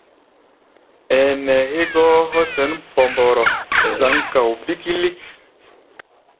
Ɛ́ɛ́ nɛɛ hɛ́gɔ́ hɔ́ sɛn Pɔmbɔrɔ, zǎŋ kao bíkílík.